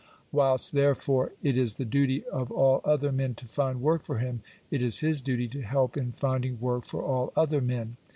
Whilst, therefore, it is the duty of all other men to find work for him, it is his duty to help in finding work for all other men.